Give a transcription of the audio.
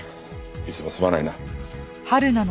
いつもすまないな。